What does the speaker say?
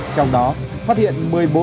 trong đó phát hiện